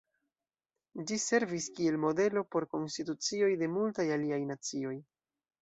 Ĝi servis kiel modelo por konstitucioj de multaj aliaj nacioj.